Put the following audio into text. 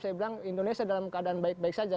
saya bilang indonesia dalam keadaan baik baik saja